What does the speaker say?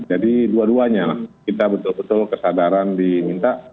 jadi dua duanya kita betul betul kesadaran diminta